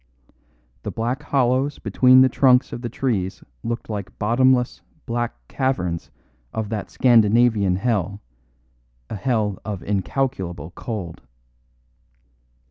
The black hollows between the trunks of the trees looked like bottomless, black caverns of that Scandinavian hell, a hell of incalculable cold.